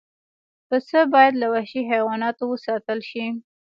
پسه باید له وحشي حیواناتو وساتل شي.